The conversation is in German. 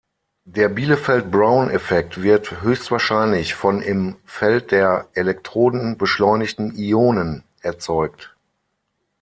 Der Biefeld-Brown-Effekt wird höchstwahrscheinlich von im Feld der Elektroden beschleunigten Ionen erzeugt.